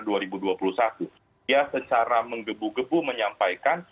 dia secara menggebu gebu menyampaikan